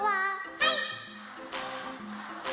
はい！